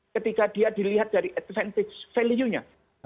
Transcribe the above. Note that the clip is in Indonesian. ketika dia dilihat dari advantage value nya